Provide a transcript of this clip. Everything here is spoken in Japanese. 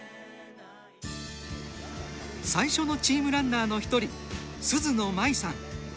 最初のチームランナーの１人寿々乃舞さん。